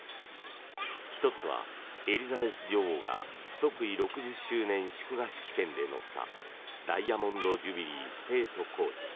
１つは、エリザベス女王が即位６０周年祝賀式典で乗ったダイヤモンド・ジュビリー・ステート・コーチ。